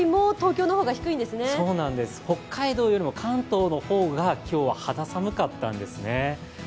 北海道よりも関東の方が今日は肌寒かったんですね。